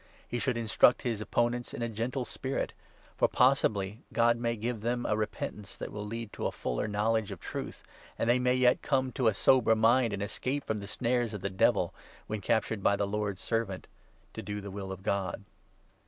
He should instruct 25 his opponents in a gentle spirit ; for, possibly, God may give them a repentance that will lead to a fuller knowledge of Truth, and they may yet come to a sober mind, and escape 26 from the snares of the Devil, when captured by the Lord's Servant to do the will of God.